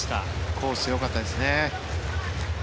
コースよかったですね。